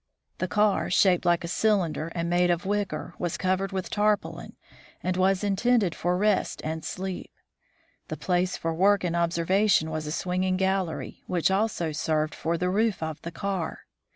The car, shaped like a cylinder and made of wicker, was covered with tarpaulin, and was intended for rest and sleep. The place for work and observation was a swinging gallery, which also served for the roof of the car.